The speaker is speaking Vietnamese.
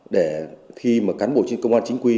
để khi mà cán bộ chiến công an chính quy